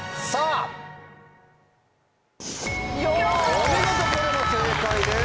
お見事これも正解です。